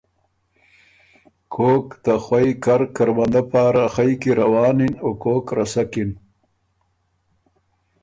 کوک ته خوئ کر کروندۀ پاره خئ کی روانِن او کوک رسکِن۔